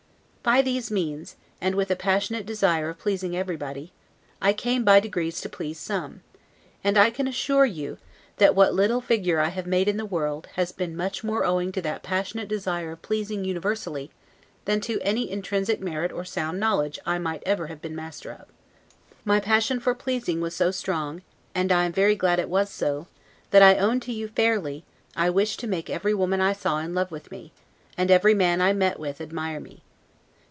By these means, and with a passionate desire of pleasing everybody, I came by degrees to please some; and, I can assure you, that what little figure I have made in the world, has been much more owing to that passionate desire of pleasing universally than to any intrinsic merit or sound knowledge I might ever have been master of. My passion for pleasing was so strong (and I am very glad it was so), that I own to you fairly, I wished to make every woman I saw in love with me, and every man I met with admire me.